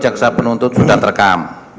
jaksa penuntut sudah terekam